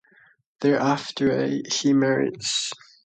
There after he married Smt.